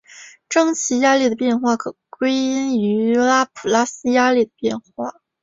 蒸气压力的变化可归因于拉普拉斯压力的变化。